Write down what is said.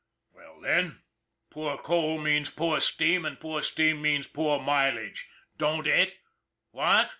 Well then, poor coal means poor steam, and poor steam means poor mileage, don't, it, what?"